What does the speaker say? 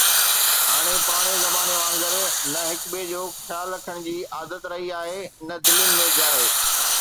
هاڻ پراڻي زماني وانگر نه هڪ ٻئي جو خيال رکڻ جي عادت رهي آهي نه دلين ۾ جاءِ.